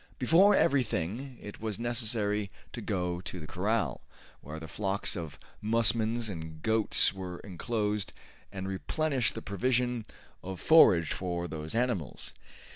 Before everything it was necessary to go to the corral, where the flocks of musmons and goats were enclosed, and replenish the provision of forage for those animals.